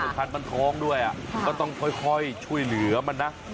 ถ้ามันท้องด้วยอ่ะก็ต้องค่อยช่วยเหลือมันนะ